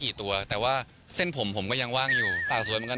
น่ารักมากน่ารักมากน่ารักมากน่ารักมากน่ารักมากน่ารักมาก